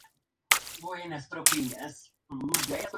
Únicamente se editaron dos números, debido a la falta de presupuesto.